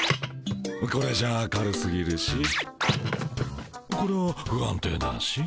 これじゃあ軽すぎるしこれは不安定だし。